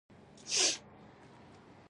زه د خلکو غیبت نه کوم.